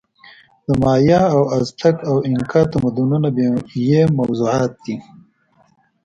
د مایا او ازتک او اینکا تمدنونه یې موضوعات دي.